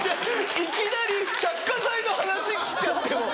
いきなり着火剤の話来ちゃってもう。